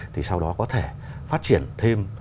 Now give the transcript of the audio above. thì sau đó có thể phát triển thêm